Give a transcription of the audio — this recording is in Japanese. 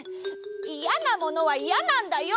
いやなものはいやなんだよ！